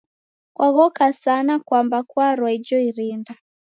Kwaghoka sana kwamba kwarwa ijo irinda